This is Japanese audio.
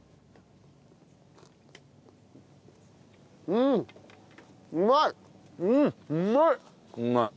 うんうまい！